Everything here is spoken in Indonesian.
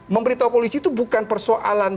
memberitahu polisi itu bukan persoalan